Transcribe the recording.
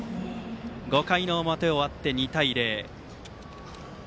５回の表が終わって２対０。